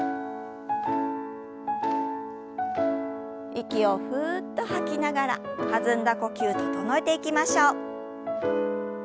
息をふっと吐きながら弾んだ呼吸整えていきましょう。